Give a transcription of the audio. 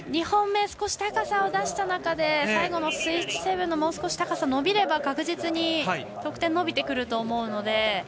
２本目少し高さを出した中で最後のスイッチ７２０がもう少し高さ伸びれば確実に得点が伸びてくると思うので。